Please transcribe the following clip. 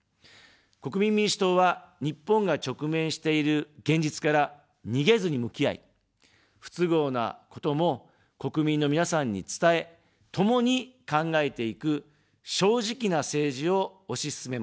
国民民主党は、日本が直面している現実から逃げずに向き合い、不都合なことも国民の皆さんに伝え、ともに考えていく、正直な政治を推し進めます。